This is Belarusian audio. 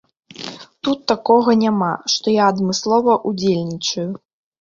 Тут такога няма, што я адмыслова ўдзельнічаю.